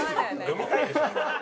読みたいでしょ。